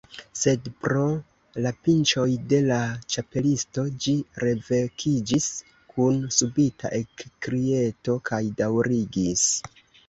Sed pro la pinĉoj de la Ĉapelisto, ĝi revekiĝis kun subita ekkrieto, kaj daŭrigis.